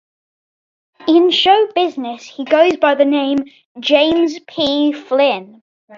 In show business he goes by the name 'James P. Flynn'.